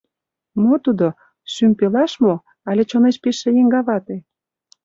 Мо тудо, шӱм пелаш мо але чонеш пижше еҥгавате?